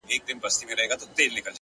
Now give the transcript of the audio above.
د زړه سکون له صداقت راځي,